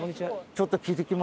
ちょっと。